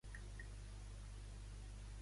Què va fer per Egina?